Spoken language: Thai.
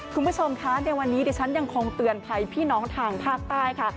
คุณผู้ชมคะในวันนี้ดิฉันยังคงเตือนภัยพี่น้องทางภาคใต้ค่ะ